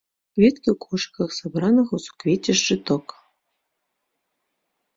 Кветкі ў кошыках, сабраных у суквецце шчыток.